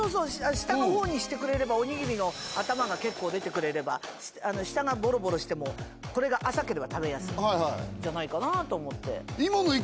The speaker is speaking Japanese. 下の方にしてくれればおにぎりの頭が結構出てくれれば下がボロボロしてもこれが浅ければ食べやすいんじゃないかなと思って。